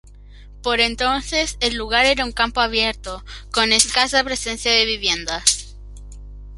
Por entonces el lugar era un campo abierto, con escasa presencia de viviendas.